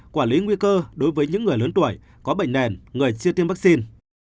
quản lý nguy cơ đối với những người lớn tuổi có bệnh nền người chưa tiêm vaccine